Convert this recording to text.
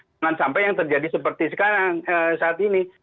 jangan sampai yang terjadi seperti sekarang saat ini